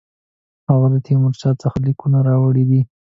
هغه له تیمورشاه څخه لیکونه راوړي دي.